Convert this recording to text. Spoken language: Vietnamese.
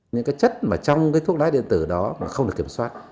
những chất trong thuốc lá điện tử đó không được kiểm soát